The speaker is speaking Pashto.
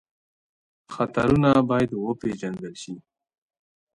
خطرونه باید وپېژندل شي.